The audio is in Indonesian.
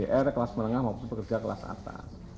baik kelas menengah maupun pekerja kelas atas